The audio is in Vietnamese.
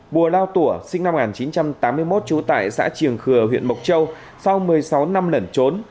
bùa lao tủa sinh năm một nghìn chín trăm tám mươi một trú tại xã triềng khừa huyện mộc châu sau một mươi sáu năm lẩn trốn